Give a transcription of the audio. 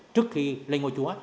trước khi lên ngôi chúa